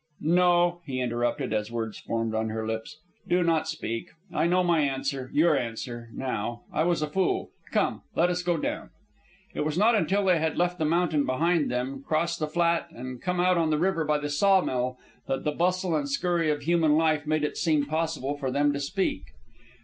"No," he interrupted, as words formed on her lips. "Do not speak. I know my answer, your answer ... now ... I was a fool ... Come, let us go down." It was not until they had left the mountain behind them, crossed the flat, and come out on the river by the saw mill, that the bustle and skurry of human life made it seem possible for them to speak.